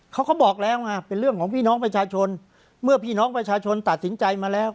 เขาก็บอกแล้วไงเป็นเรื่องของพี่น้องประชาชนเมื่อพี่น้องประชาชนตัดสินใจมาแล้ว